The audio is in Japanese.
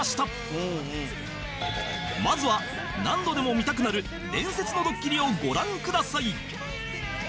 まずは何度でも見たくなる伝説のドッキリをご覧ください